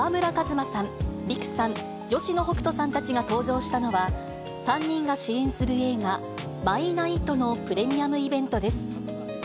馬さん、ＲＩＫＵさん、吉野北人さんたちが登場したのは、３人が主演する映画、マイ・ナイトのプレミアムイベントです。